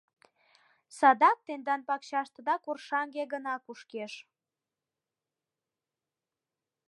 — Садак тендан пакчаштыда коршаҥге гына кушкеш.